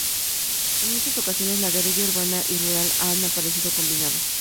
En muchas ocasiones, la guerrilla urbana y rural han aparecido combinadas.